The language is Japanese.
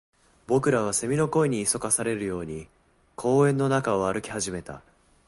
僕らは蝉の声に急かされるように公園の中を歩き始めた